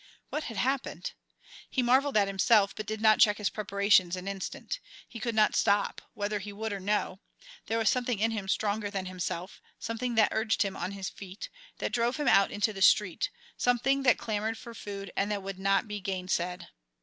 What had happened? He marvelled at himself, but did not check his preparations an instant. He could not stop, whether he would or no; there was something in him stronger than himself, something that urged him on his feet, that drove him out into the street, something that clamoured for food and that would not be gainsaid.